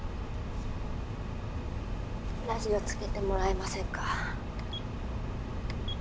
ラジオつけてもらえませんか？